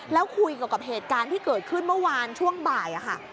แล้วคุยกับเหตุการณ์ที่เกิดขึ้นเมื่อวานช่วงบ่ายค่ะ